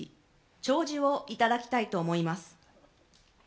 弔辞をいただきたいと思います。